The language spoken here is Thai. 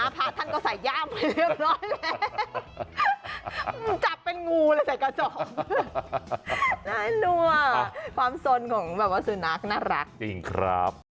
พระท่านก็ใส่ย่ามไปเรียบร้อย